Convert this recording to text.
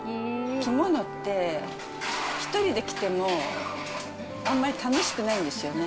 着物って、１人で着てもあんまり楽しくないんですよね。